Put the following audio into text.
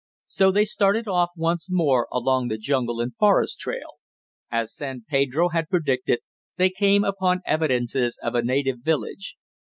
So they started off once more along the jungle and forest trail. As San Pedro had predicted, they came upon evidences of a native village.